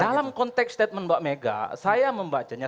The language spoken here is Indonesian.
dalam konteks statement mbak mega saya membacanya